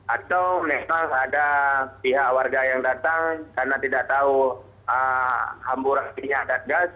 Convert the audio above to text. atau memang ada pihak warga yang datang karena tidak tahu hamburan minyak dan gas